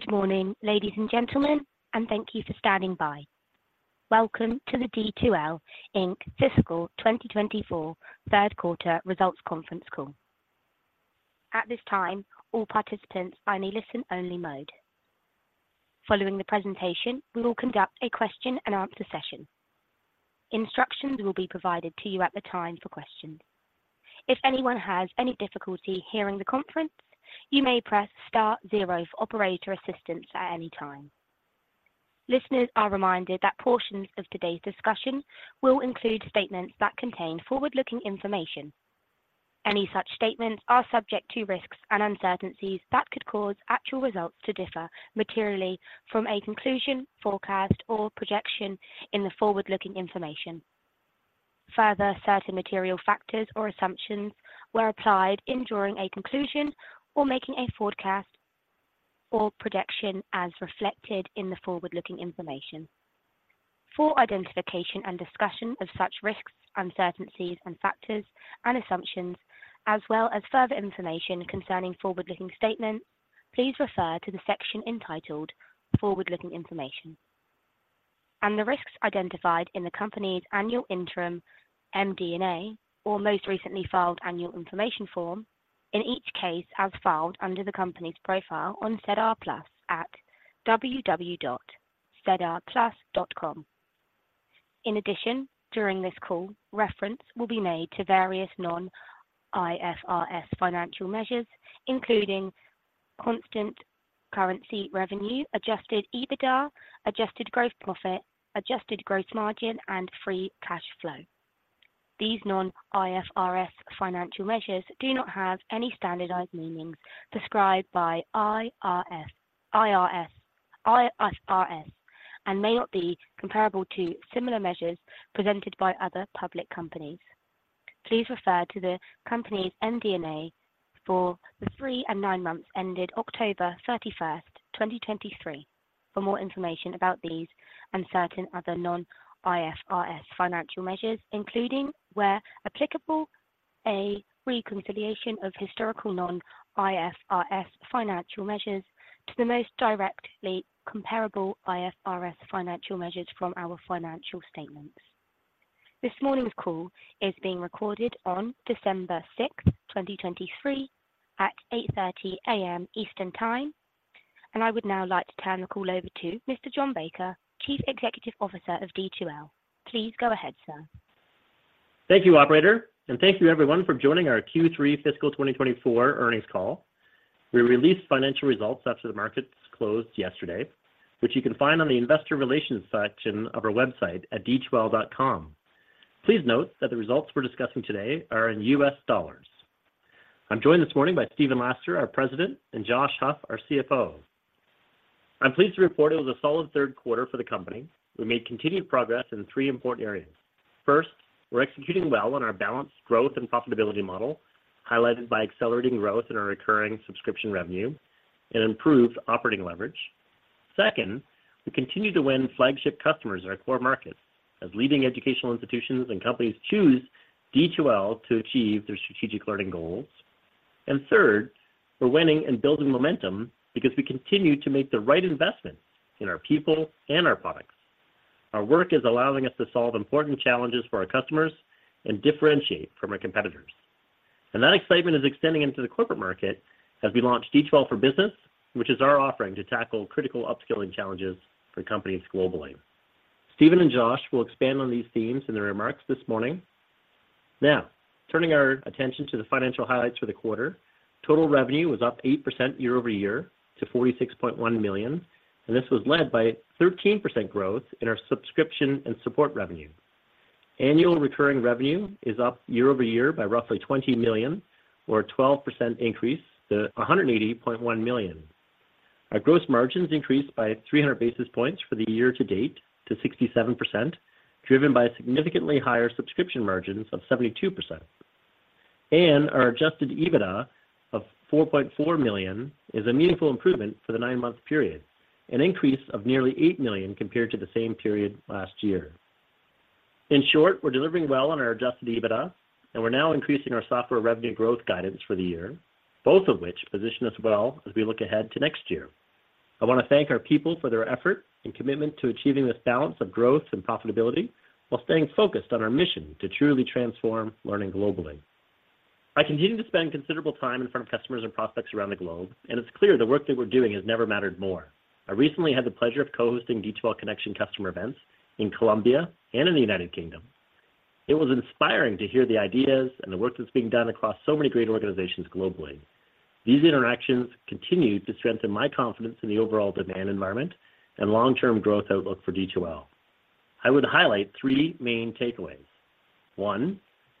Good morning, ladies and gentlemen, and thank you for standing by. Welcome to the D2L Inc Fiscal 2024 Third Quarter Results Conference Call. At this time, all participants are in a listen-only mode. Following the presentation, we will conduct a question and answer session. Instructions will be provided to you at the time for questions. If anyone has any difficulty hearing the conference, you may press star zero for operator assistance at any time. Listeners are reminded that portions of today's discussion will include statements that contain forward-looking information. Any such statements are subject to risks and uncertainties that could cause actual results to differ materially from a conclusion, forecast, or projection in the forward-looking information. Further, certain material factors or assumptions were applied in drawing a conclusion or making a forecast or projection as reflected in the forward-looking information. For identification and discussion of such risks, uncertainties, and factors and assumptions, as well as further information concerning forward-looking statements, please refer to the section entitled Forward-Looking Information and the risks identified in the company's annual interim MD&A or most recently filed annual information form, in each case as filed under the company's profile on SEDAR+ at www.sedarplus.com. In addition, during this call, reference will be made to various non-IFRS financial measures, including constant currency revenue, adjusted EBITDA, adjusted gross profit, adjusted gross margin, and free cash flow. These non-IFRS financial measures do not have any standardized meanings prescribed by IFRS, and may not be comparable to similar measures presented by other public companies. Please refer to the company's MD&A for the three and nine months ended October 31st, 2023 for more information about these and certain other non-IFRS financial measures, including, where applicable, a reconciliation of historical non-IFRS financial measures to the most directly comparable IFRS financial measures from our financial statements. This morning's call is being recorded on December 6th, 2023, at 8:30 A.M. Eastern Time, and I would now like to turn the call over to Mr. John Baker, Chief Executive Officer of D2L. Please go ahead, sir. Thank you, operator, and thank you everyone for joining our Q3 fiscal 2024 earnings call. We released financial results after the markets closed yesterday, which you can find on the investor relations section of our website at D2L.com. Please note that the results we're discussing today are in U.S. dollars. I'm joined this morning by Stephen Laster, our President, and Josh Huff, our CFO. I'm pleased to report it was a solid third quarter for the company. We made continued progress in three important areas. First, we're executing well on our balanced growth and profitability model, highlighted by accelerating growth in our recurring subscription revenue and improved operating leverage. Second, we continue to win flagship customers in our core markets as leading educational institutions and companies choose D2L to achieve their strategic learning goals. Third, we're winning and building momentum because we continue to make the right investments in our people and our products. Our work is allowing us to solve important challenges for our customers and differentiate from our competitors. And that excitement is extending into the corporate market as we launched D2L for Business, which is our offering to tackle critical upskilling challenges for companies globally. Stephen and Josh will expand on these themes in their remarks this morning. Now, turning our attention to the financial highlights for the quarter. Total revenue was up 8% year-over-year to $46.1 million, and this was led by 13% growth in our subscription and support revenue. Annual recurring revenue is up year-over-year by roughly $20 million, or a 12% increase to $180.1 million. Our gross margins increased by 300 basis points for the year to date to 67%, driven by significantly higher subscription margins of 72%. Our adjusted EBITDA of $4.4 million is a meaningful improvement for the nine-month period, an increase of nearly $8 million compared to the same period last year. In short, we're delivering well on our adjusted EBITDA, and we're now increasing our software revenue growth guidance for the year, both of which position us well as we look ahead to next year. I want to thank our people for their effort and commitment to achieving this balance of growth and profitability while staying focused on our mission to truly transform learning globally. I continue to spend considerable time in front of customers and prospects around the globe, and it's clear the work that we're doing has never mattered more. I recently had the pleasure of co-hosting D2L Connection customer events in Colombia and in the United Kingdom. It was inspiring to hear the ideas and the work that's being done across so many great organizations globally. These interactions continued to strengthen my confidence in the overall demand environment and long-term growth outlook for D2L. I would highlight three main takeaways. One,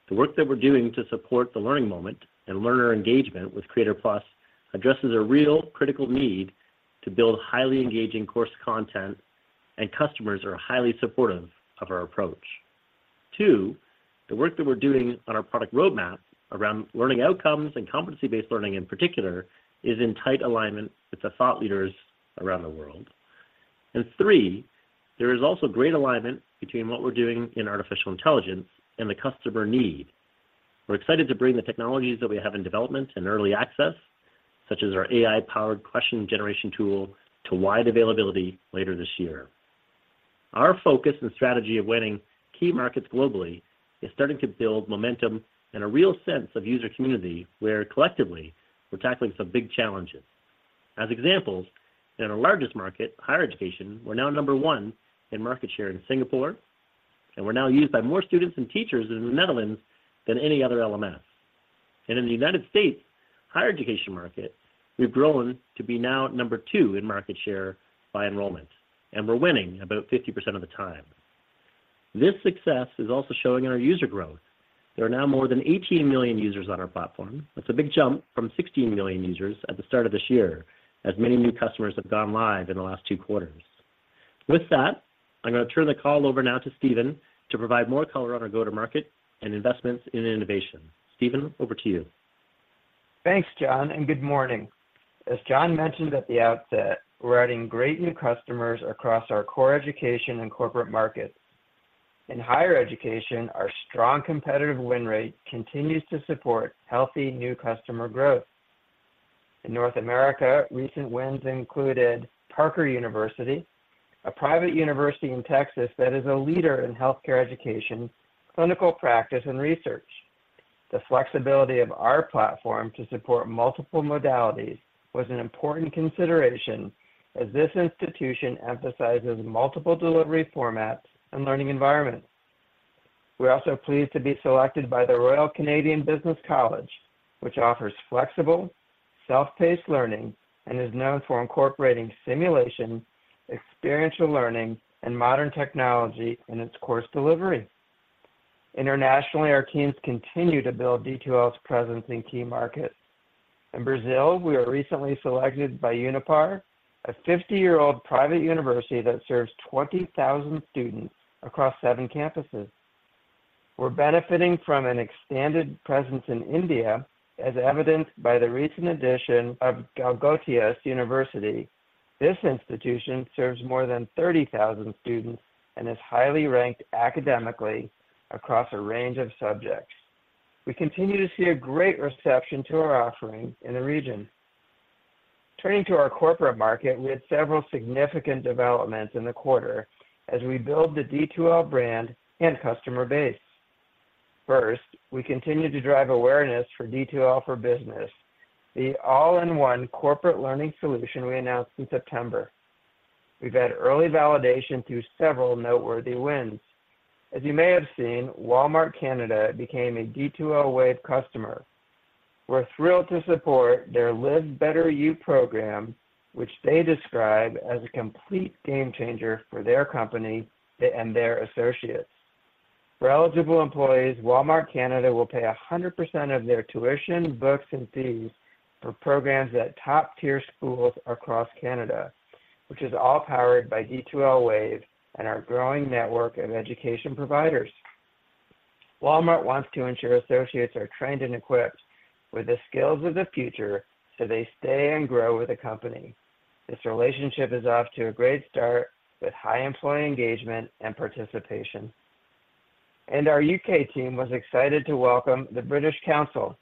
the work that we're doing to support the learning moment and learner engagement with Creator+ addresses a real critical need to build highly engaging course content, and customers are highly supportive of our approach. Two, the work that we're doing on our product roadmap around learning outcomes and competency-based learning in particular is in tight alignment with the thought leaders around the world. And three, there is also great alignment between what we're doing in artificial intelligence and the customer need. We're excited to bring the technologies that we have in development and early access, such as our AI-powered question generation tool, to wide availability later this year. Our focus and strategy of winning key markets globally is starting to build momentum and a real sense of user community, where collectively, we're tackling some big challenges. As examples, in our largest market, higher education, we're now number 1 in market share in Singapore, and we're now used by more students and teachers in the Netherlands than any other LMS. And in the United States higher education market, we've grown to be now number two in market share by enrollment, and we're winning about 50% of the time. This success is also showing in our user growth. There are now more than 18 million users on our platform. That's a big jump from 16 million users at the start of this year, as many new customers have gone live in the last two quarters. With that, I'm gonna turn the call over now to Stephen to provide more color on our go-to-market and investments in innovation. Stephen, over to you. Thanks, John, and good morning. As John mentioned at the outset, we're adding great new customers across our core education and corporate markets. In higher education, our strong competitive win rate continues to support healthy new customer growth. In North America, recent wins included Parker University, a private university in Texas that is a leader in healthcare education, clinical practice, and research. The flexibility of our platform to support multiple modalities was an important consideration as this institution emphasizes multiple delivery formats and learning environments. We're also pleased to be selected by the Royal Canadian Business College, which offers flexible, self-paced learning and is known for incorporating simulation, experiential learning, and modern technology in its course delivery. Internationally, our teams continue to build D2L's presence in key markets. In Brazil, we were recently selected by Unipar, a 50 year-old private university that serves 20,000 students across seven campuses. We're benefiting from an extended presence in India, as evidenced by the recent addition of Galgotias University. This institution serves more than 30,000 students and is highly ranked academically across a range of subjects. We continue to see a great reception to our offerings in the region. Turning to our corporate market, we had several significant developments in the quarter as we build the D2L brand and customer base. First, we continued to drive awareness for D2L for Business, the all-in-one corporate learning solution we announced in September. We've had early validation through several noteworthy wins. As you may have seen, Walmart Canada became a D2L Wave customer. We're thrilled to support their Live Better U program, which they describe as a complete game changer for their company and their associates. For eligible employees, Walmart Canada will pay 100% of their tuition, books, and fees for programs at top-tier schools across Canada, which is all powered by D2L Wave and our growing network of education providers. Walmart wants to ensure associates are trained and equipped with the skills of the future, so they stay and grow with the company. This relationship is off to a great start with high employee engagement and participation. Our U.K. team was excited to welcome the British Council,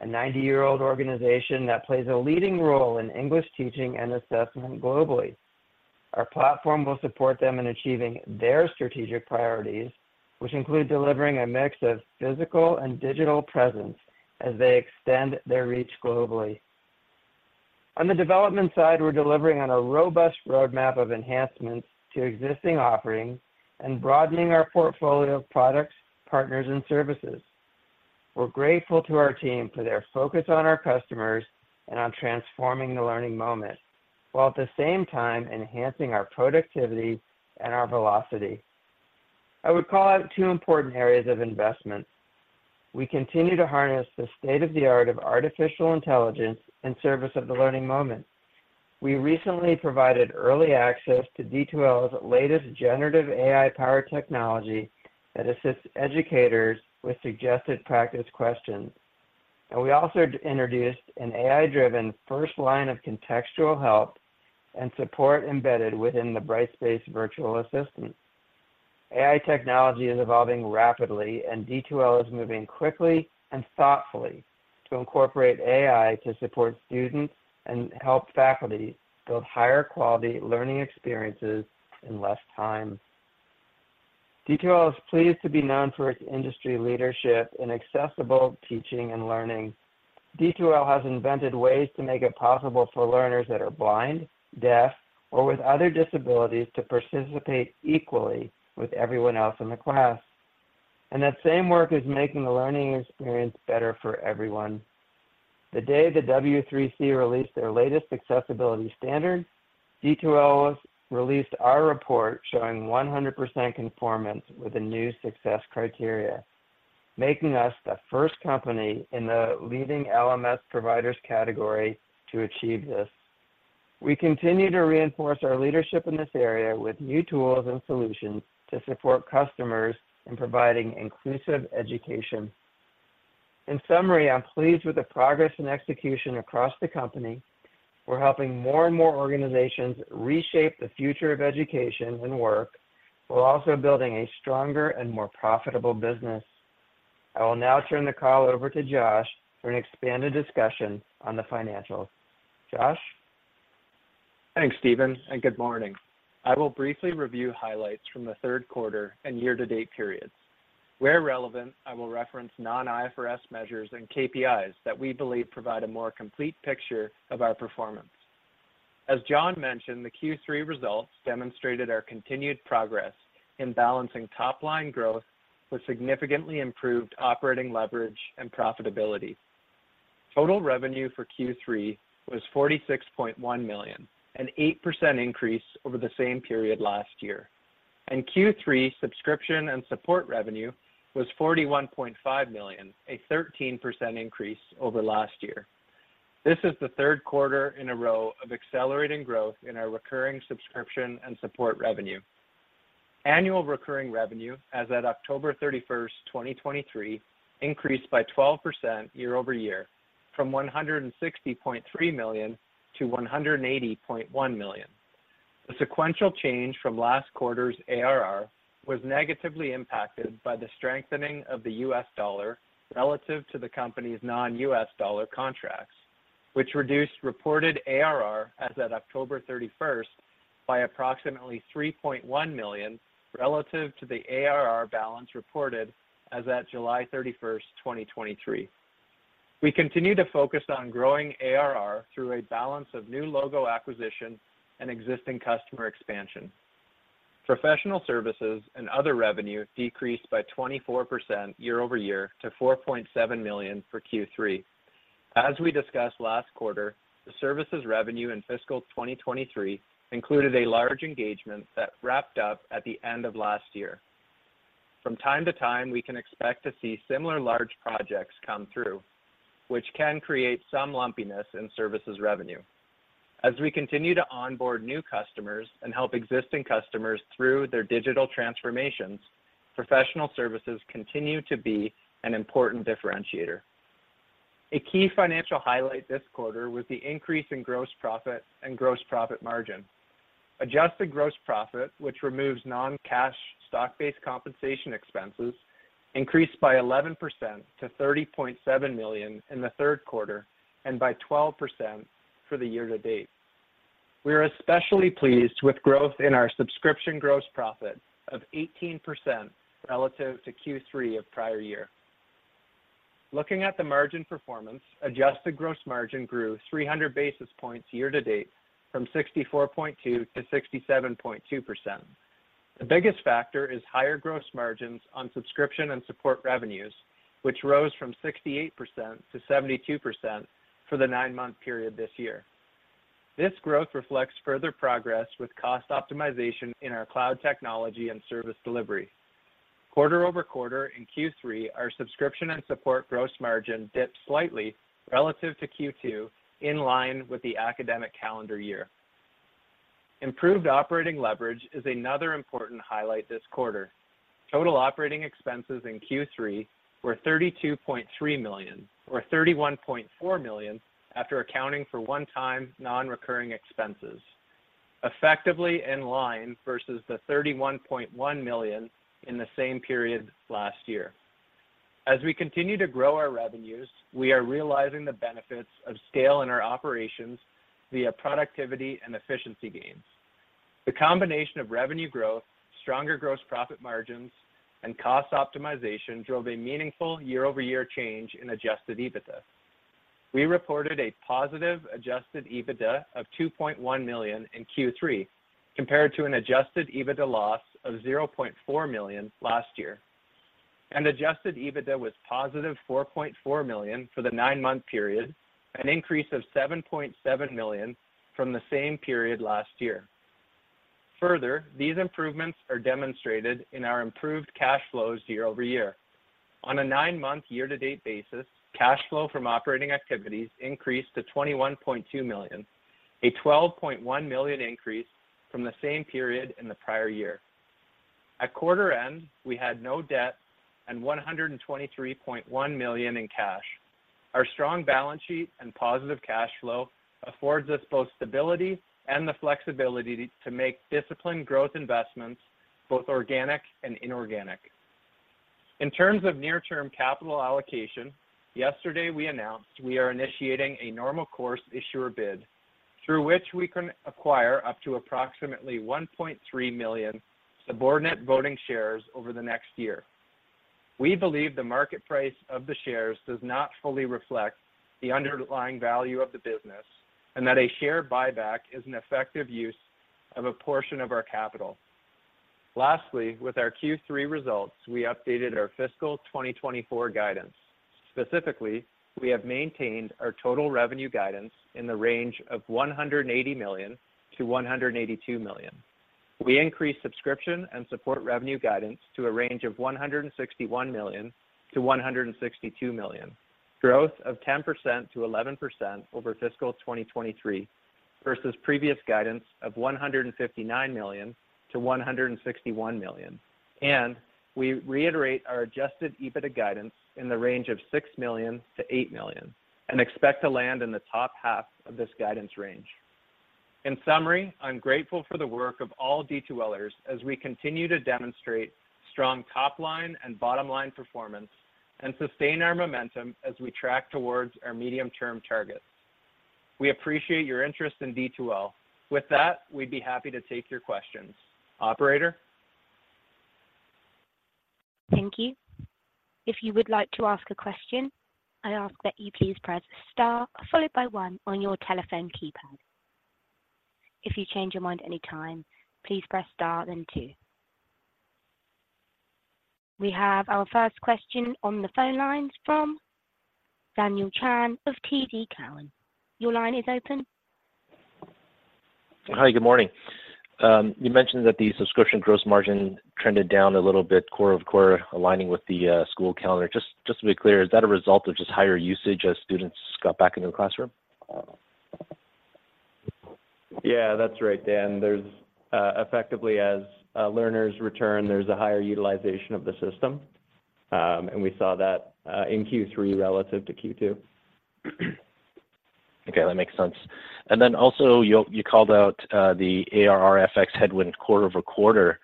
a 90-year-old organization that plays a leading role in English teaching and assessment globally. Our platform will support them in achieving their strategic priorities, which include delivering a mix of physical and digital presence as they extend their reach globally. On the development side, we're delivering on a robust roadmap of enhancements to existing offerings and broadening our portfolio of products, partners, and services. We're grateful to our team for their focus on our customers and on transforming the learning moment, while at the same time enhancing our productivity and our velocity. I would call out two important areas of investment. We continue to harness the state of the art of artificial intelligence in service of the learning moment. We recently provided early access to D2L's latest generative AI-powered technology that assists educators with suggested practice questions. We also introduced an AI-driven first line of contextual help and support embedded within the Brightspace virtual assistant. AI technology is evolving rapidly, and D2L is moving quickly and thoughtfully to incorporate AI to support students and help faculty build higher quality learning experiences in less time. D2L is pleased to be known for its industry leadership in accessible teaching and learning. D2L has invented ways to make it possible for learners that are blind, deaf, or with other disabilities, to participate equally with everyone else in the class, and that same work is making the learning experience better for everyone. The day the W3C released their latest accessibility standards, D2L released our report showing 100% conformance with the new success criteria, making us the first company in the leading LMS providers category to achieve this. We continue to reinforce our leadership in this area with new tools and solutions to support customers in providing inclusive education. In summary, I'm pleased with the progress and execution across the company. We're helping more and more organizations reshape the future of education and work, while also building a stronger and more profitable business. I will now turn the call over to Josh for an expanded discussion on the financials. Josh? Thanks, Stephen, and good morning. I will briefly review highlights from the third quarter and year-to-date periods. Where relevant, I will reference non-IFRS measures and KPIs that we believe provide a more complete picture of our performance. As John mentioned, the Q3 results demonstrated our continued progress in balancing top-line growth with significantly improved operating leverage and profitability. Total revenue for Q3 was $46.1 million, an 8% increase over the same period last year. In Q3, subscription and support revenue was $41.5 million, a 13% increase over last year. This is the third quarter in a row of accelerating growth in our recurring subscription and support revenue. Annual recurring revenue as at October 31st, 2023, increased by 12% year-over-year from $160.3 million-$180.1 million. The sequential change from last quarter's ARR was negatively impacted by the strengthening of the U.S. dollar relative to the company's non-US dollar contracts, which reduced reported ARR as at October 31st by approximately $3.1 million, relative to the ARR balance reported as at July 31st, 2023. We continue to focus on growing ARR through a balance of new logo acquisition and existing customer expansion. Professional Services and other revenue decreased by 24% year-over-year to $4.7 million for Q3. As we discussed last quarter, the services revenue in fiscal 2023 included a large engagement that wrapped up at the end of last year. From time to time, we can expect to see similar large projects come through, which can create some lumpiness in services revenue. As we continue to onboard new customers and help existing customers through their digital transformations, professional services continue to be an important differentiator. A key financial highlight this quarter was the increase in gross profit and gross profit margin. Adjusted gross profit, which removes non-cash stock-based compensation expenses, increased by 11% to $30.7 million in the third quarter and by 12% for the year to date. We are especially pleased with growth in our subscription gross profit of 18% relative to Q3 of prior year. Looking at the margin performance, adjusted gross margin grew 300 basis points year to date from 64.2% to 67.2%. The biggest factor is higher gross margins on subscription and support revenues, which rose from 68% to 72% for the nine-month period this year. This growth reflects further progress with cost optimization in our cloud technology and service delivery. Quarter-over-quarter in Q3, our subscription and support gross margin dipped slightly relative to Q2, in line with the academic calendar year. Improved operating leverage is another important highlight this quarter. Total operating expenses in Q3 were $32.3 million, or $31.4 million, after accounting for one-time, non-recurring expenses, effectively in line versus the $31.1 million in the same period last year. As we continue to grow our revenues, we are realizing the benefits of scale in our operations via productivity and efficiency gains. The combination of revenue growth, stronger gross profit margins, and cost optimization drove a meaningful year-over-year change in Adjusted EBITDA. We reported a positive adjusted EBITDA of $2.1 million in Q3, compared to an adjusted EBITDA loss of $0.4 million last year. Adjusted EBITDA was positive $4.4 million for the nine-month period, an increase of $7.7 million from the same period last year. Further, these improvements are demonstrated in our improved cash flows year-over-year. On a nine-month, year-to-date basis, cash flow from operating activities increased to $21.2 million, a $12.1 million increase from the same period in the prior year. At quarter end, we had no debt and $123.1 million in cash. Our strong balance sheet and positive cash flow affords us both stability and the flexibility to make disciplined growth investments, both organic and inorganic. In terms of near-term capital allocation, yesterday, we announced we are initiating a normal course issuer bid, through which we can acquire up to approximately 1.3 million subordinate voting shares over the next year. We believe the market price of the shares does not fully reflect the underlying value of the business, and that a share buyback is an effective use of a portion of our capital. Lastly, with our Q3 results, we updated our fiscal 2024 guidance. Specifically, we have maintained our total revenue guidance in the range of $180 million-$182 million. We increased subscription and support revenue guidance to a range of $161 million-$162 million, growth of 10%-11% over fiscal 2023.versus previous guidance of $159 million-$161 million. We reiterate our Adjusted EBITDA guidance in the range of $6 million-$8 million, and expect to land in the top half of this guidance range. In summary, I'm grateful for the work of all D2Lers as we continue to demonstrate strong top line and bottom line performance, and sustain our momentum as we track towards our medium-term targets. We appreciate your interest in D2L. With that, we'd be happy to take your questions. Operator? Thank you. If you would like to ask a question, I ask that you please press star followed by one on your telephone keypad. If you change your mind at any time, please press star then two. We have our first question on the phone lines from Daniel Chan of TD Cowen. Your line is open. Hi, good morning. You mentioned that the subscription gross margin trended down a little bit quarter-over-quarter, aligning with the school calendar. Just, just to be clear, is that a result of just higher usage as students got back into the classroom? Yeah, that's right, Dan. There's effectively, as learners return, there's a higher utilization of the system, and we saw that in Q3 relative to Q2. Okay, that makes sense. And then also, you called out the ARR FX headwind quarter-over-quarter.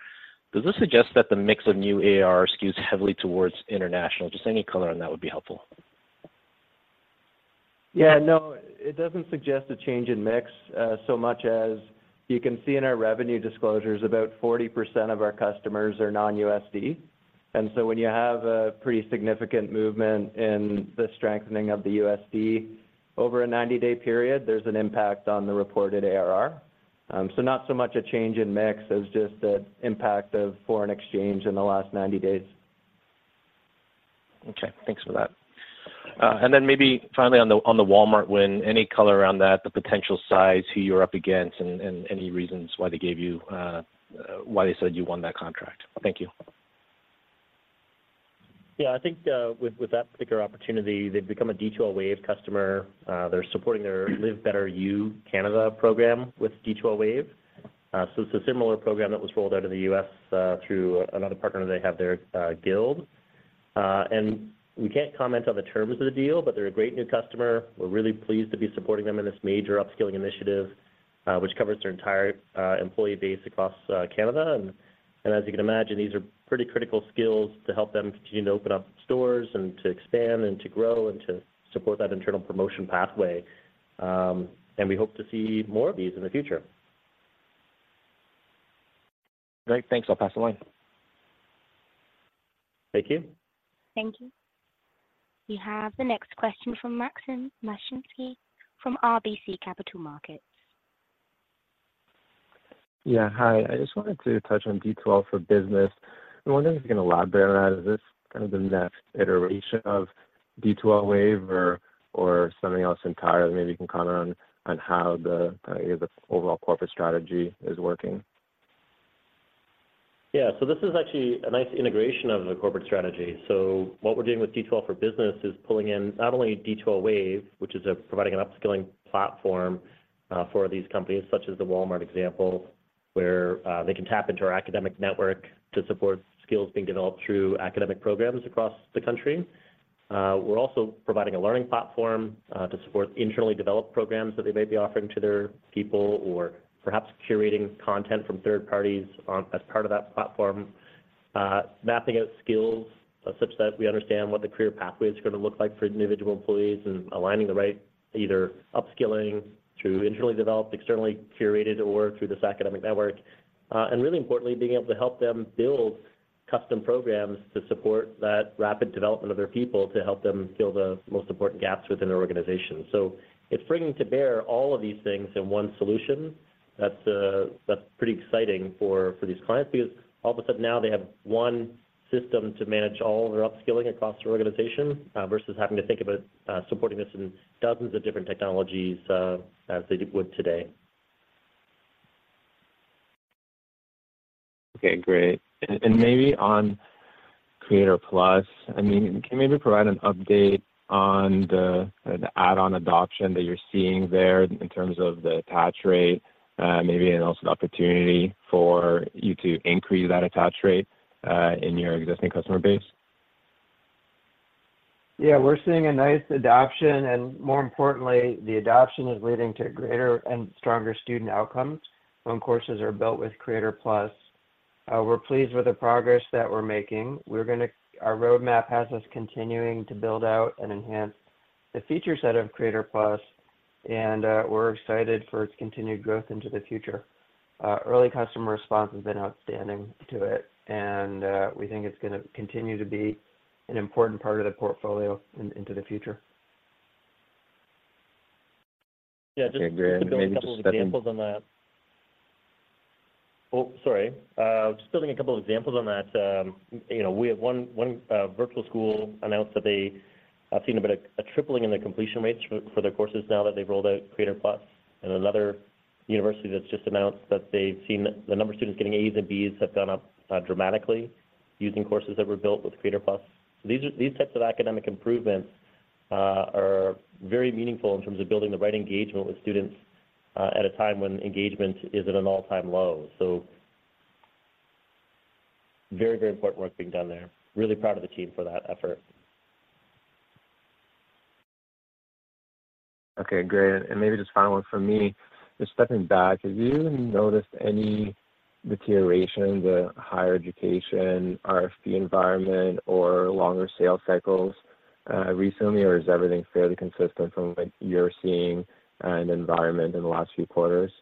Does this suggest that the mix of new ARR skews heavily towards international? Just any color on that would be helpful. Yeah, no, it doesn't suggest a change in mix, so much as you can see in our revenue disclosures, about 40% of our customers are non-USD. And so when you have a pretty significant movement in the strengthening of the USD over a 90-day period, there's an impact on the reported ARR. So not so much a change in mix as just the impact of foreign exchange in the last 90 days. Okay, thanks for that. And then maybe finally on the Walmart win, any color around that, the potential size, who you're up against, and any reasons why they said you won that contract? Thank you. Yeah, I think with that particular opportunity, they've become a D2L Wave customer. They're supporting their Live Better U Canada program with D2L Wave. So it's a similar program that was rolled out in the U.S., through another partner they have there, Guild. And we can't comment on the terms of the deal, but they're a great new customer. We're really pleased to be supporting them in this major upskilling initiative, which covers their entire employee base across Canada. And as you can imagine, these are pretty critical skills to help them continue to open up stores and to expand and to grow and to support that internal promotion pathway. And we hope to see more of these in the future. Great, thanks. I'll pass the line. Thank you. Thank you. We have the next question from Maxim Matushansky from RBC Capital Markets. Yeah, hi. I just wanted to touch on D2L for Business. I'm wondering if you can elaborate on that. Is this kind of the next iteration of D2L Wave or, or something else entirely? Maybe you can comment on, on how the, the overall corporate strategy is working. Yeah. So this is actually a nice integration of the corporate strategy. So what we're doing with D2L for Business is pulling in not only D2L Wave, which is providing an upskilling platform for these companies, such as the Walmart example, where they can tap into our academic network to support skills being developed through academic programs across the country. We're also providing a learning platform to support internally developed programs that they may be offering to their people, or perhaps curating content from third parties as part of that platform. Mapping out skills such that we understand what the career pathway is gonna look like for individual employees and aligning the right, either upskilling through internally developed, externally curated, or through this academic network. and really importantly, being able to help them build custom programs to support that rapid development of their people, to help them fill the most important gaps within their organization. So it's bringing to bear all of these things in one solution. That's, that's pretty exciting for, for these clients, because all of a sudden now they have one system to manage all of their upskilling across their organization, versus having to think about, supporting this in dozens of different technologies, as they would today. Okay, great. And maybe on Creator+, I mean, can you maybe provide an update on the add-on adoption that you're seeing there in terms of the attach rate, maybe and also the opportunity for you to increase that attach rate in your existing customer base? Yeah, we're seeing a nice adoption, and more importantly, the adoption is leading to greater and stronger student outcomes when courses are built with Creator+. We're pleased with the progress that we're making. We're gonna. Our roadmap has us continuing to build out and enhance the feature set of Creator+, and we're excited for its continued growth into the future. Early customer response has been outstanding to it, and we think it's gonna continue to be an important part of the portfolio into the future. Yeah, just, Okay, great. Maybe just. To build a couple of examples on that. You know, we have one virtual school announce that they have seen about a tripling in their completion rates for their courses now that they've rolled out Creator+. And another university that's just announced that they've seen the number of students getting A's and B's have gone up dramatically using courses that were built with Creator+. These types of academic improvements are very meaningful in terms of building the right engagement with students at a time when engagement is at an all-time low. So very, very important work being done there. Really proud of the team for that effort. Okay, great. And maybe just final one from me, just stepping back, have you noticed any deterioration in the higher education RFP environment or longer sales cycles, recently, or is everything fairly consistent from what you're seeing, in the environment in the last few quarters?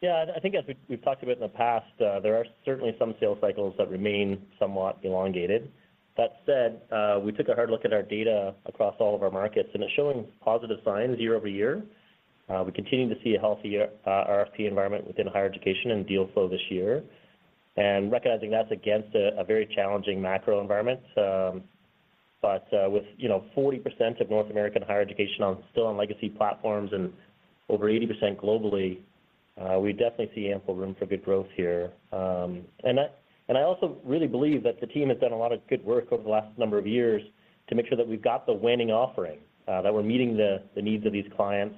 Yeah, I think as we, we've talked about in the past, there are certainly some sales cycles that remain somewhat elongated. That said, we took a hard look at our data across all of our markets, and it's showing positive signs year-over-year. We continue to see a healthy RFP environment within higher education and deal flow this year, and recognizing that's against a very challenging macro environment. But with, you know, 40% of North American higher education still on legacy platforms and over 80% globally, we definitely see ample room for good growth here. And I also really believe that the team has done a lot of good work over the last number of years to make sure that we've got the winning offering, that we're meeting the needs of these clients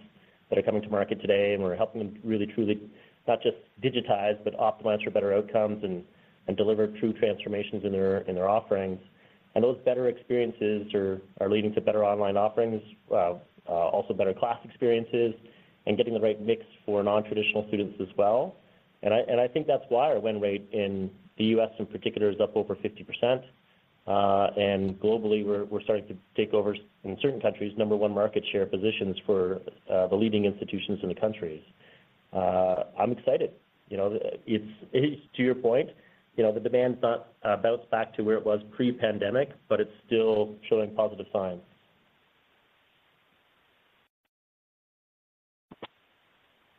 that are coming to market today, and we're helping them really, truly, not just digitize, but optimize for better outcomes and deliver true transformations in their offerings. And those better experiences are leading to better online offerings, also better class experiences and getting the right mix for non-traditional students as well. And I think that's why our win rate in the U.S. in particular is up over 50%. And globally, we're starting to take over, in certain countries, number one market share positions for the leading institutions in the countries. I'm excited. You know, it's to your point, you know, the demand's not bounced back to where it was pre-pandemic, but it's still showing positive signs.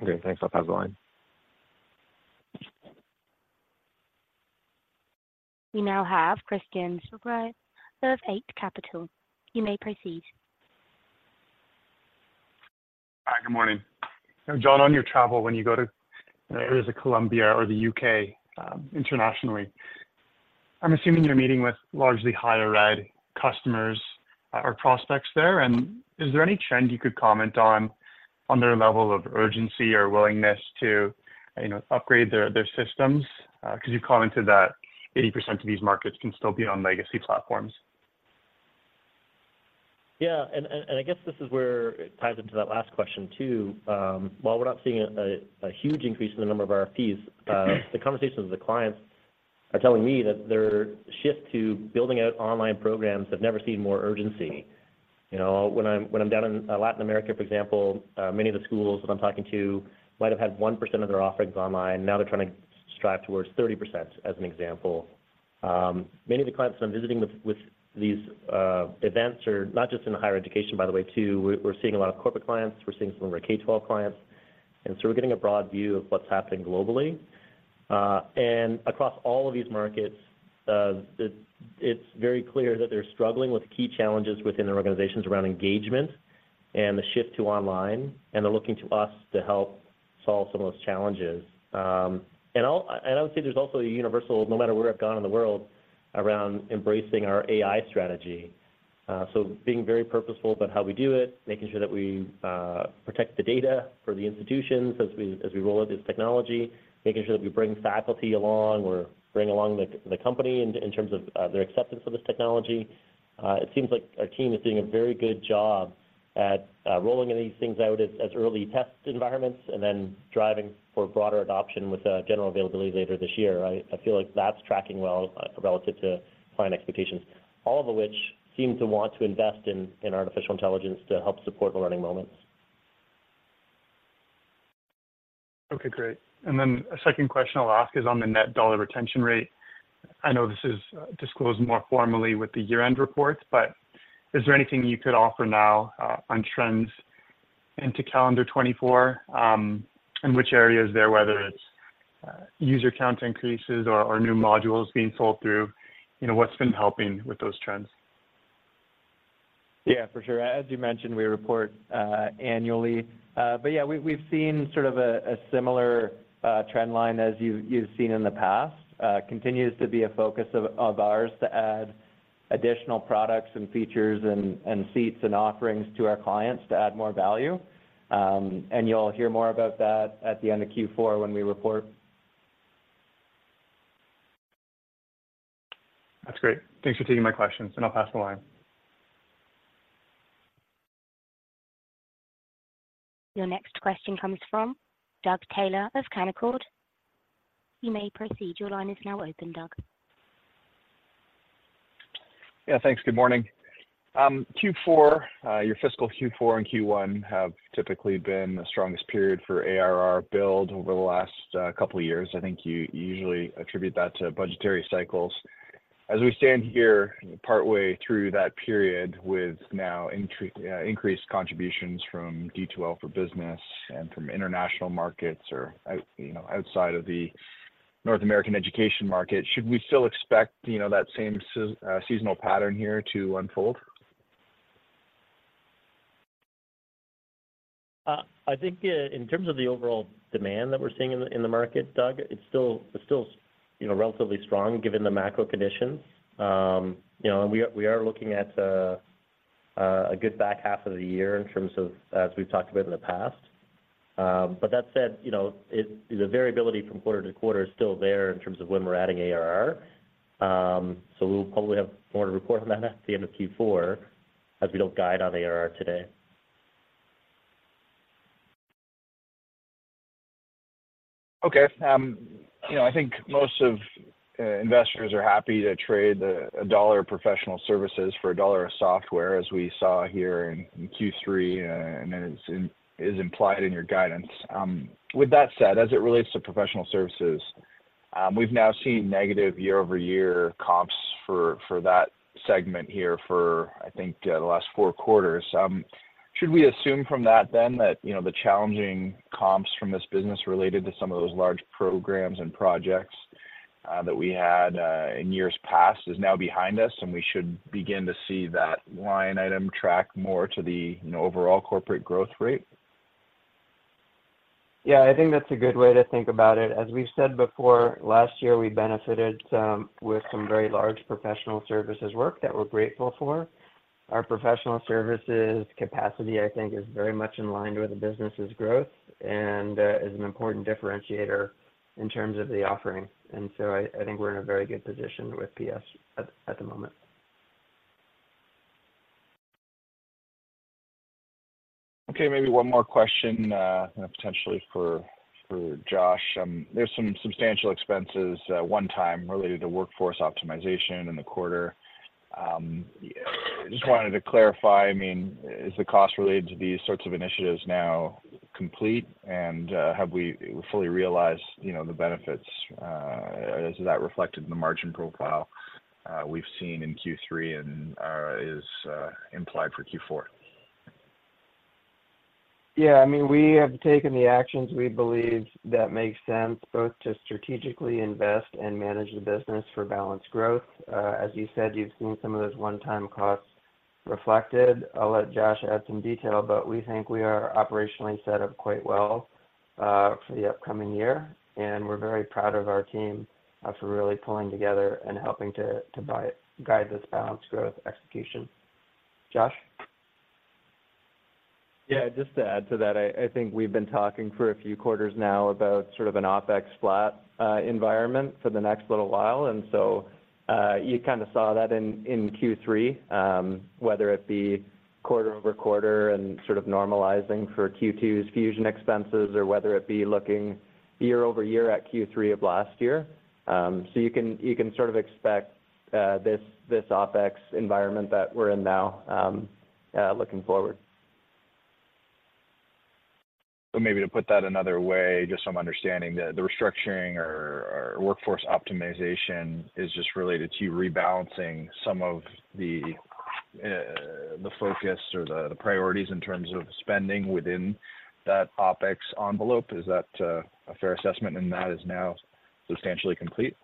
Okay, thanks. I'll pass the line. We now have Christian Sgro of Eight Capital. You may proceed. Hi, good morning. So, John, on your travel, when you go to areas of Colombia or the U.K., internationally, I'm assuming you're meeting with largely higher ed customers or prospects there. Is there any trend you could comment on, on their level of urgency or willingness to, you know, upgrade their, their systems? 'Cause you commented that 80% of these markets can still be on legacy platforms. Yeah, and I guess this is where it ties into that last question, too. While we're not seeing a huge increase in the number of RFPs, the conversations with the clients are telling me that their shift to building out online programs have never seen more urgency. You know, when I'm down in Latin America, for example, many of the schools that I'm talking to might have had 1% of their offerings online. Now they're trying to strive towards 30%, as an example. Many of the clients I'm visiting with these events are not just in higher education, by the way, too. We're seeing a lot of corporate clients, we're seeing some of our K-12 clients, and so we're getting a broad view of what's happening globally. Across all of these markets, it's very clear that they're struggling with key challenges within their organizations around engagement and the shift to online, and they're looking to us to help solve some of those challenges. I would say there's also a universal, no matter where I've gone in the world, around embracing our AI strategy. Being very purposeful about how we do it, making sure that we protect the data for the institutions as we roll out this technology, making sure that we bring faculty along or bring along the company in terms of their acceptance of this technology. It seems like our team is doing a very good job at rolling these things out as early test environments and then driving for broader adoption with a general availability later this year. I feel like that's tracking well relative to client expectations, all of which seem to want to invest in artificial intelligence to help support the learning moments. Okay, great. And then a second question I'll ask is on the Net Dollar Retention rate. I know this is disclosed more formally with the year-end report, but is there anything you could offer now, on trends into calendar 2024? And which areas there, whether it's, user count increases or new modules being sold through, you know, what's been helping with those trends? Yeah, for sure. As you mentioned, we report annually. But yeah, we've seen sort of a similar trend line as you've seen in the past. Continues to be a focus of ours to add additional products and features and seats and offerings to our clients to add more value. And you'll hear more about that at the end of Q4 when we report. That's great. Thanks for taking my questions, and I'll pass the line. Your next question comes from Doug Taylor of Canaccord. You may proceed. Your line is now open, Doug. Yeah, thanks. Good morning. Q4, your fiscal Q4 and Q1 have typically been the strongest period for ARR build over the last couple of years. I think you usually attribute that to budgetary cycles. As we stand here, partway through that period, with now increased contributions from D2L for Business and from international markets or out, you know, outside of the North American education market, should we still expect, you know, that same seasonal pattern here to unfold? I think, in terms of the overall demand that we're seeing in the market, Doug, it's still, you know, relatively strong given the macro conditions. You know, and we are looking at a good back half of the year in terms of, as we've talked about in the past. But that said, you know, the variability from quarter to quarter is still there in terms of when we're adding ARR. So we'll probably have more to report on that at the end of Q4, as we don't guide on ARR today. Okay. You know, I think most of investors are happy to trade a dollar of professional services for a dollar of software, as we saw here in Q3, and as is implied in your guidance. With that said, as it relates to professional services, we've now seen negative year-over-year comps for that segment here for, I think, the last four quarters. Should we assume from that then that, you know, the challenging comps from this business related to some of those large programs and projects that we had in years past is now behind us, and we should begin to see that line item track more to the, you know, overall corporate growth rate? Yeah, I think that's a good way to think about it. As we've said before, last year, we benefited with some very large professional services work that we're grateful for. Our professional services capacity, I think, is very much in line with the business's growth, and is an important differentiator in terms of the offering. And so I think we're in a very good position with PS at the moment. Okay, maybe one more question, potentially for, for Josh. There's some substantial expenses, one time related to workforce optimization in the quarter. Just wanted to clarify, I mean, is the cost related to these sorts of initiatives now complete? And, have we fully realized, you know, the benefits? Is that reflected in the margin profile we've seen in Q3 and, is implied for Q4? Yeah, I mean, we have taken the actions we believe that make sense, both to strategically invest and manage the business for balanced growth. As you said, you've seen some of those one-time costs reflected. I'll let Josh add some detail, but we think we are operationally set up quite well, for the upcoming year, and we're very proud of our team, for really pulling together and helping to guide this balanced growth execution. Josh? Yeah, just to add to that, I think we've been talking for a few quarters now about sort of an OpEx flat environment for the next little while. And so, you kind of saw that in Q3, whether it be quarter-over-quarter and sort of normalizing for Q2's fusion expenses, or whether it be looking year-over-year at Q3 of last year. So you can sort of expect this OpEx environment that we're in now, looking forward. So maybe to put that another way, just so I'm understanding, the restructuring or workforce optimization is just related to rebalancing some of the focus or the priorities in terms of spending within that OpEx envelope. Is that a fair assessment, and that is now substantially complete?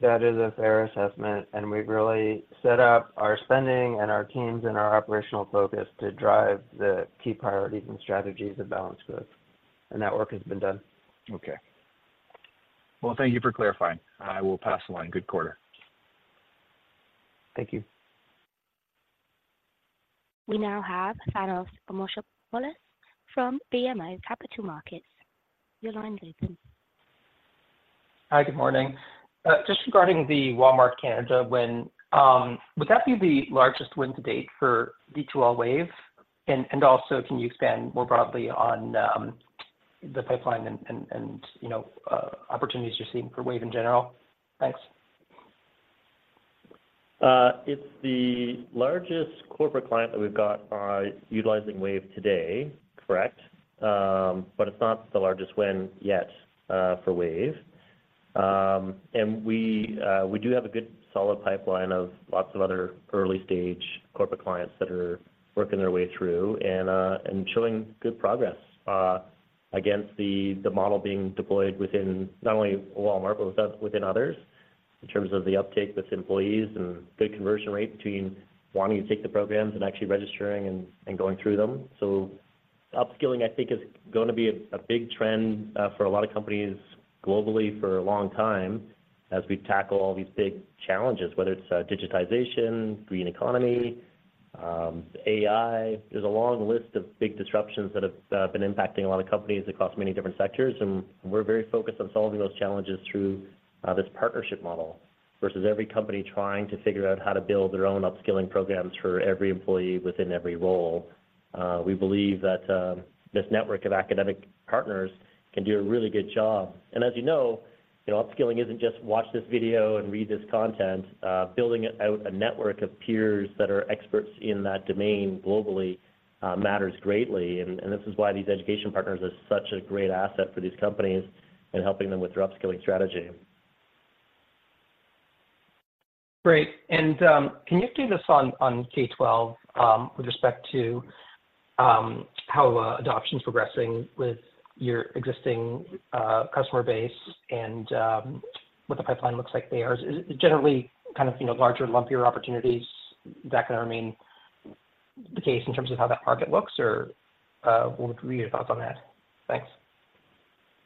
That is a fair assessment, and we've really set up our spending and our teams and our operational focus to drive the key priorities and strategies of balanced growth. That work has been done. Okay. Well, thank you for clarifying. I will pass the line. Good quarter. Thank you. We now have Thanos Moschopoulos from BMO Capital Markets. Your line is open. Hi, good morning. Just regarding the Walmart Canada win, would that be the largest win to date for D2L Wave? And also, can you expand more broadly on the pipeline and you know, opportunities you're seeing for Wave in general? Thanks. It's the largest corporate client that we've got, utilizing Wave today, correct. But it's not the largest win yet, for Wave. And we do have a good solid pipeline of lots of other early-stage corporate clients that are working their way through and showing good progress, against the model being deployed within not only Walmart, but within others, in terms of the uptake with employees and good conversion rate between wanting to take the programs and actually registering and going through them. So upskilling, I think, is gonna be a big trend, for a lot of companies globally for a long time as we tackle all these big challenges, whether it's, digitization, green economy, AI. There's a long list of big disruptions that have been impacting a lot of companies across many different sectors, and we're very focused on solving those challenges through this partnership model, versus every company trying to figure out how to build their own upskilling programs for every employee within every role. We believe that this network of academic partners can do a really good job. And as you know, you know, upskilling isn't just watch this video and read this content. Building out a network of peers that are experts in that domain globally matters greatly, and this is why these education partners are such a great asset for these companies in helping them with their upskilling strategy. Great. And, can you do this on K-12, with respect to how adoption is progressing with your existing customer base and, What the pipeline looks like there? Is it generally kind of, you know, larger and lumpier opportunities that are going to remain the case in terms of how that market looks, or what are your thoughts on that? Thanks.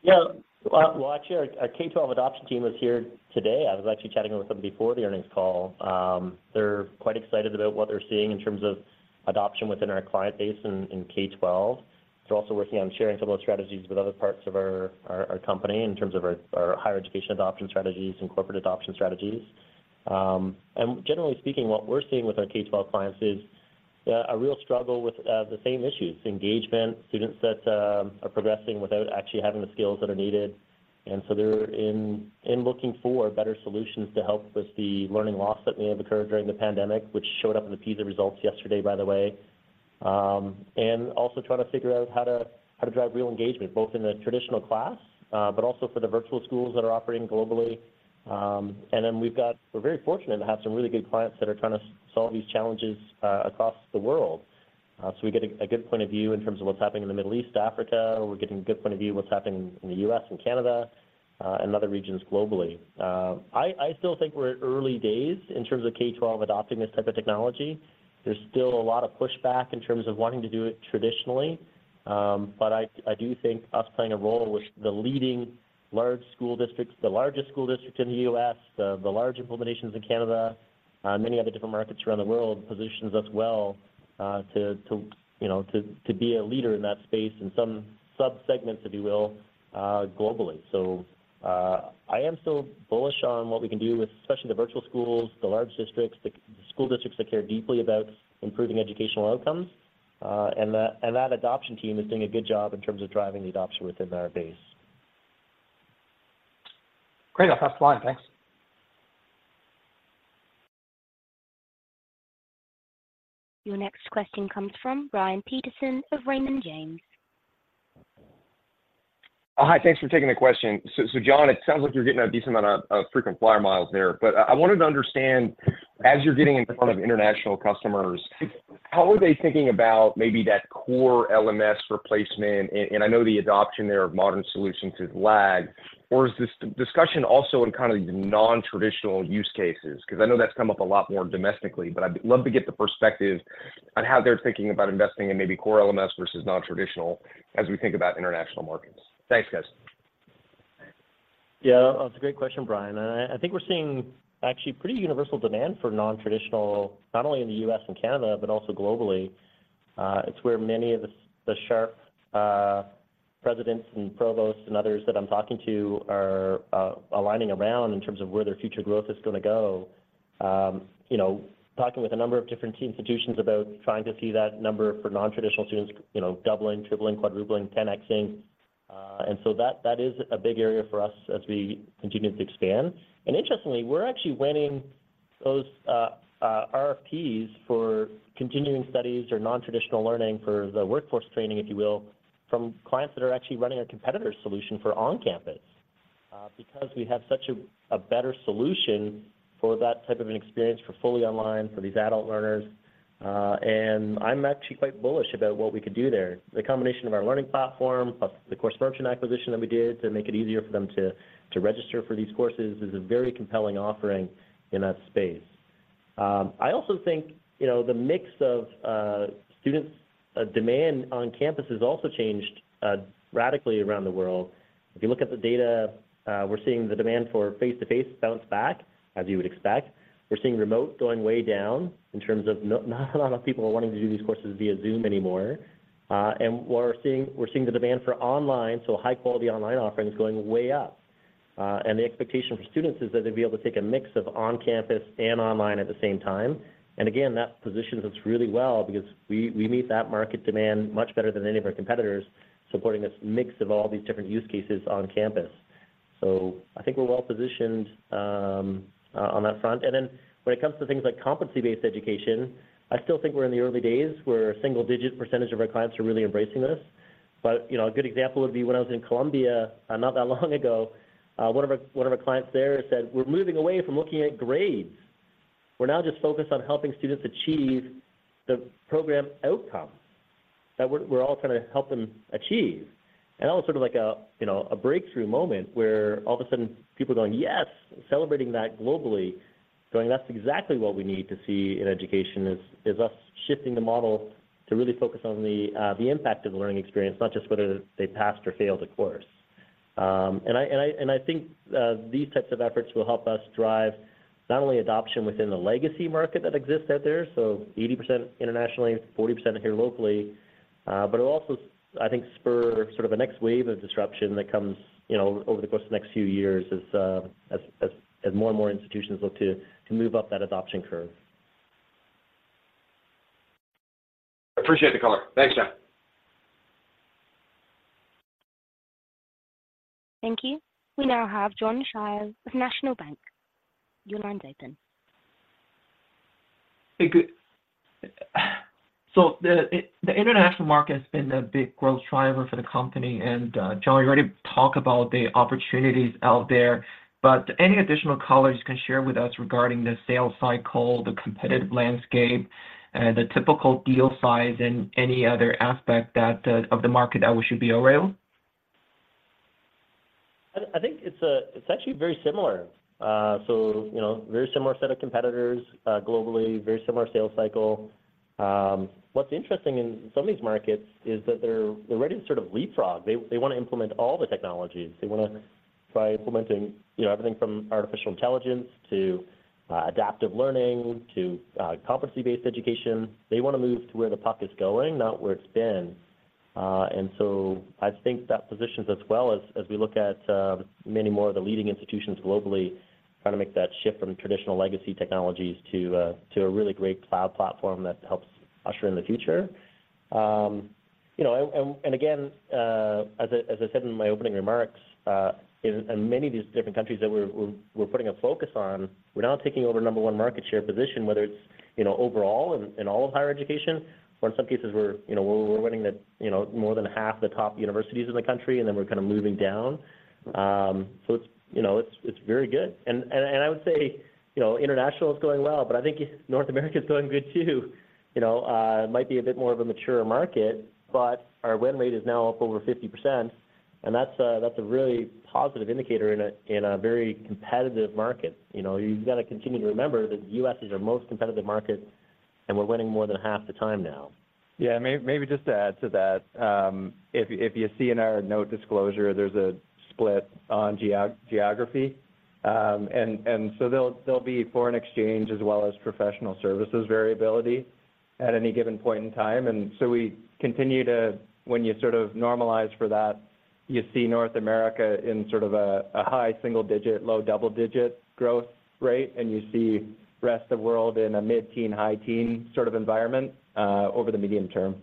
Yeah. Well, actually, our K-12 adoption team was here today. I was actually chatting with them before the earnings call. They're quite excited about what they're seeing in terms of adoption within our client base in K-12. They're also working on sharing some of those strategies with other parts of our company in terms of our higher education adoption strategies and corporate adoption strategies. And generally speaking, what we're seeing with our K-12 clients is a real struggle with the same issues: engagement, students that are progressing without actually having the skills that are needed. And so they're looking for better solutions to help with the learning loss that may have occurred during the pandemic, which showed up in the PISA results yesterday, by the way. And also trying to figure out how to, how to drive real engagement, both in the traditional class, but also for the virtual schools that are operating globally. And then we've got. We're very fortunate to have some really good clients that are trying to solve these challenges, across the world. So we get a good point of view in terms of what's happening in the Middle East, Africa. We're getting a good point of view of what's happening in the U.S. and Canada, and other regions globally. I still think we're at early days in terms of K-12 adopting this type of technology. There's still a lot of pushback in terms of wanting to do it traditionally. But I do think us playing a role with the leading large school districts, the largest school district in the U.S., the larger implementations in Canada, many other different markets around the world, positions us well, you know, to be a leader in that space in some subsegments, if you will, globally. So, I am still bullish on what we can do with especially the virtual schools, the large districts, the school districts that care deeply about improving educational outcomes. And that adoption team is doing a good job in terms of driving the adoption within our base. Great. That's last slide. Thanks. Your next question comes from Brian Peterson of Raymond James. Hi, thanks for taking the question. So, so John, it sounds like you're getting a decent amount of, of frequent flyer miles there. But I, I wanted to understand, as you're getting in front of international customers, how are they thinking about maybe that core LMS replacement? And, and I know the adoption there of modern solutions is lag, or is this discussion also in kind of these non-traditional use cases? 'Cause I know that's come up a lot more domestically, but I'd love to get the perspective on how they're thinking about investing in maybe core LMS versus non-traditional as we think about international markets. Thanks, guys. Yeah, that's a great question, Brian, and I think we're seeing actually pretty universal demand for non-traditional, not only in the U.S. and Canada, but also globally. It's where many of the sharp presidents and provosts and others that I'm talking to are aligning around in terms of where their future growth is going to go. You know, talking with a number of different key institutions about trying to see that number for non-traditional students, you know, doubling, tripling, quadrupling, 10X-ing, and so that is a big area for us as we continue to expand. And interestingly, we're actually winning those RFPs for continuing studies or non-traditional learning for the workforce training, if you will, from clients that are actually running a competitor solution for on-campus. Because we have such a better solution for that type of an experience for fully online, for these adult learners, and I'm actually quite bullish about what we could do there. The combination of our learning platform, plus the Course Merchant acquisition that we did to make it easier for them to register for these courses, is a very compelling offering in that space. I also think, you know, the mix of students demand on campus has also changed radically around the world. If you look at the data, we're seeing the demand for face-to-face bounce back, as you would expect. We're seeing remote going way down in terms of not a lot of people are wanting to do these courses via Zoom anymore. And what we're seeing, we're seeing the demand for online, so high-quality online offerings, going way up. And the expectation for students is that they'll be able to take a mix of on-campus and online at the same time. And again, that positions us really well because we, we meet that market demand much better than any of our competitors, supporting this mix of all these different use cases on campus. So I think we're well positioned on that front. And then when it comes to things like competency-based education, I still think we're in the early days, where a single-digit % of our clients are really embracing this. But, you know, a good example would be when I was in Colombia, not that long ago, one of our, one of our clients there said, "We're moving away from looking at grades. We're now just focused on helping students achieve the program outcome that we're all trying to help them achieve." And that was sort of like a, you know, a breakthrough moment, where all of a sudden people are going, "Yes!" Celebrating that globally, going, "That's exactly what we need to see in education, is us shifting the model to really focus on the, the impact of the learning experience, not just whether they passed or failed a course." And I think these types of efforts will help us drive not only adoption within the legacy market that exists out there, so 80% internationally, 40% here locally, but it'll also, I think, spur sort of a next wave of disruption that comes, you know, over the course of the next few years as more and more institutions look to move up that adoption curve. Appreciate the call. Thanks, John. Thank you. We now have John Shao of National Bank. Your line is open. Hey, good. So the international market has been a big growth driver for the company, and, John, you already talked about the opportunities out there. But any additional colors you can share with us regarding the sales cycle, the competitive landscape, the typical deal size, and any other aspect of the market that we should be aware of? I think it's, it's actually very similar. So, you know, very similar set of competitors, globally, very similar sales cycle. What's interesting in some of these markets is that they're, they're ready to sort of leapfrog. They, they wanna implement all the technologies. They wanna try implementing, you know, everything from artificial intelligence to, adaptive learning to, competency-based education. They wanna move to where the puck is going, not where it's been. And so I think that positions us well as, as we look at, many more of the leading institutions globally, trying to make that shift from traditional legacy technologies to a, to a really great cloud platform that helps usher in the future. You know, and again, as I said in my opening remarks, in many of these different countries that we're putting a focus on, we're now taking over number one market share position, whether it's, you know, overall in all of higher education, or in some cases we're, you know, winning the, you know, more than half the top universities in the country, and then we're kind of moving down. So it's, you know, it's very good. And I would say, you know, international is going well, but I think North America is doing good too. You know, it might be a bit more of a mature market, but our win rate is now up over 50%, and that's a really positive indicator in a very competitive market. You know, you've got to continue to remember that the U.S. is our most competitive market, and we're winning more than half the time now. Yeah, maybe just to add to that, if you see in our note disclosure, there's a split on geography. And so they'll, there'll be foreign exchange as well as professional services variability at any given point in time, and so we continue to. When you sort of normalize for that, you see North America in sort of a high single digit, low double digit growth rate, and you see rest of world in a mid-teen, high teen sort of environment over the medium term.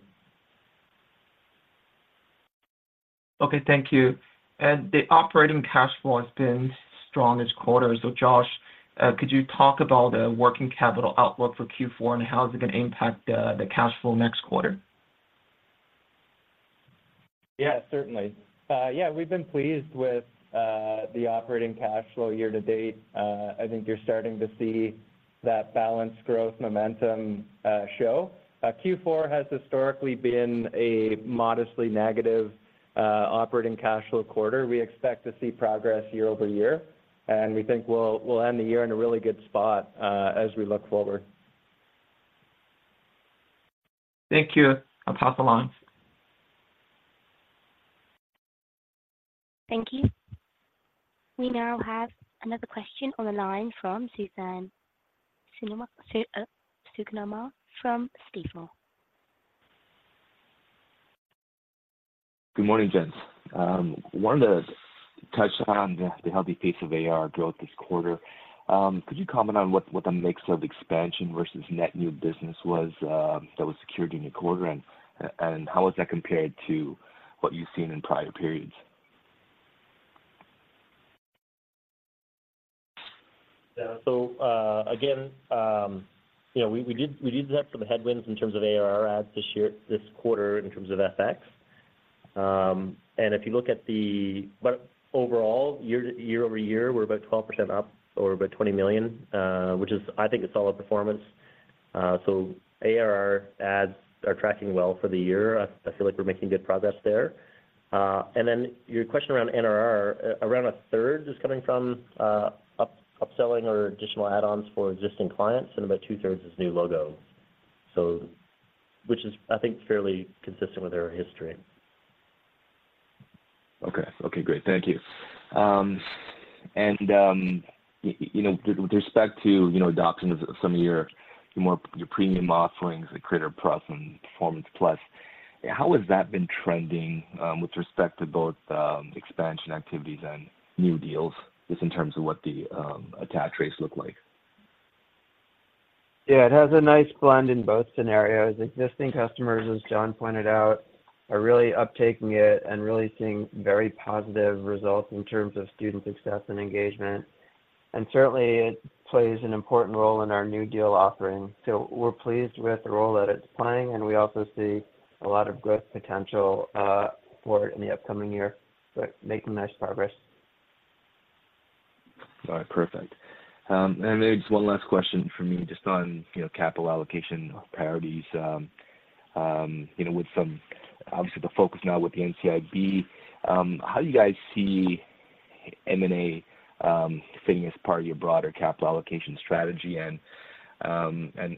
Okay, thank you. The operating cash flow has been strong this quarter. So, Josh, could you talk about the working capital outlook for Q4 and how is it going to impact the cash flow next quarter? Yeah, certainly. Yeah, we've been pleased with the operating cash flow year to date. I think you're starting to see that balanced growth momentum show. Q4 has historically been a modestly negative operating cash flow quarter. We expect to see progress year-over-year, and we think we'll, we'll end the year in a really good spot, as we look forward. Thank you. I'll pass along. Thank you. We now have another question on the line from Suthan Sukumar from Stifel. Good morning, gents. Wanted to touch on the healthy pace of ARR growth this quarter. Could you comment on what the mix of expansion versus net new business was that was secured in the quarter, and how was that compared to what you've seen in prior periods? Yeah. So, again, you know, we did have some headwinds in terms of ARR adds this year this quarter in terms of FX. And if you look at the but overall, year-over-year, we're about 12% up or about $20 million, which is. I think it's solid performance. So ARR adds are tracking well for the year. I feel like we're making good progress there. And then your question around NRR, around a third is coming from, upselling or additional add-ons for existing clients, and about two-thirds is new logo. So, which is, I think, fairly consistent with our history. Okay. Okay, great. Thank you. And you know, with respect to you know, adoption of some of your more premium offerings, the Creator+ and Performance+, how has that been trending with respect to both expansion activities and new deals, just in terms of what the attach rates look like? Yeah, it has a nice blend in both scenarios. Existing customers, as John pointed out, are really uptaking it and really seeing very positive results in terms of student success and engagement. And certainly, it plays an important role in our new deal offering. So we're pleased with the role that it's playing, and we also see a lot of growth potential for it in the upcoming year, but making nice progress. All right. Perfect. And maybe just one last question from me, just on, you know, capital allocation priorities, you know, with obviously the focus now with the NCIB, how do you guys see M&A fitting as part of your broader capital allocation strategy? And,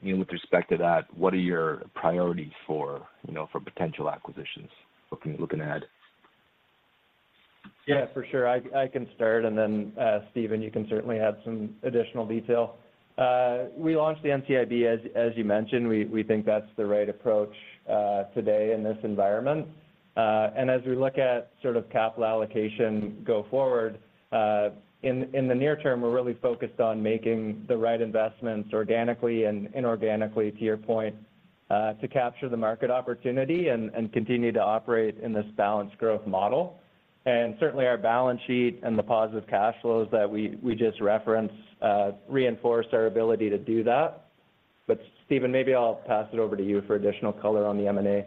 you know, with respect to that, what are your priorities for, you know, for potential acquisitions, looking ahead? Yeah, for sure. I can start, and then, Stephen, you can certainly add some additional detail. We launched the NCIB, as you mentioned, we think that's the right approach, today in this environment. And as we look at sort of capital allocation go forward, in the near term, we're really focused on making the right investments organically and inorganically, to your point, to capture the market opportunity and continue to operate in this balanced growth model. And certainly our balance sheet and the positive cash flows that we just referenced reinforce our ability to do that. But Stephen, maybe I'll pass it over to you for additional color on the M&A.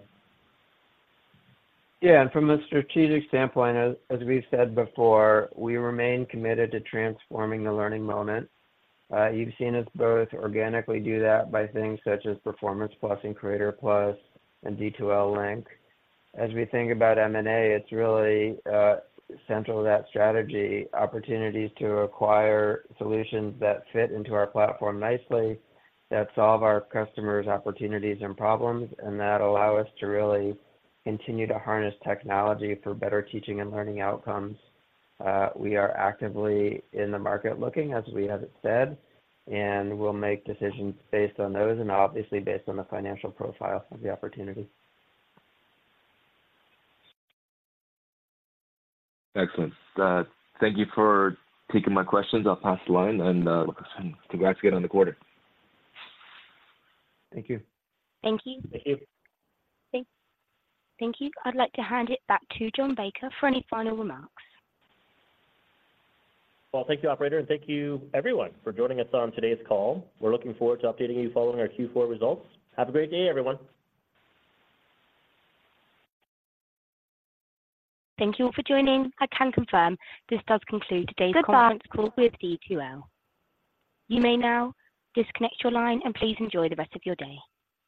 Yeah, and from a strategic standpoint, as we've said before, we remain committed to transforming the learning moment. You've seen us both organically do that by things such as Performance+, Creator+, and D2L Link. As we think about M&A, it's really central to that strategy, opportunities to acquire solutions that fit into our platform nicely, that solve our customers' opportunities and problems, and that allow us to really continue to harness technology for better teaching and learning outcomes. We are actively in the market looking, as we have said, and we'll make decisions based on those and obviously based on the financial profile of the opportunity. Excellent. Thank you for taking my questions. I'll pass the line, and congrats again on the quarter. Thank you. Thank you. Thank you. Thank you. I'd like to hand it back to John Baker for any final remarks. Well, thank you, operator, and thank you everyone for joining us on today's call. We're looking forward to updating you following our Q4 results. Have a great day, everyone. Thank you all for joining. I can confirm this does conclude today's conference call with D2L. You may now disconnect your line and please enjoy the rest of your day.